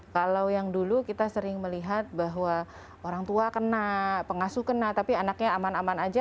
kalau yang dulu kita sering melihat bahwa orang tua kena pengasuh kena tapi anaknya aman aman aja